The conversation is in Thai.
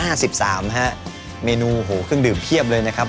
สิบสามฮะเมนูโหเครื่องดื่มเพียบเลยนะครับ